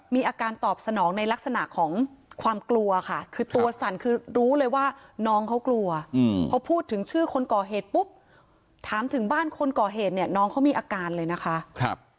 มีอาการตอบสนองในลักษณะของความกลัวค่ะคือตัวสั่นคือรู้เลยว่าน้องเขากลัวพอพูดถึงชื่อคนก่อเหตุปุ๊บถามถึงบ้านคนก่อเหตุเนี่ยน้องเขามีอาการเลยนะคะ